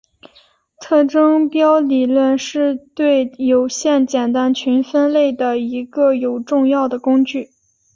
特征标理论是对有限简单群分类的一个有重要的工具。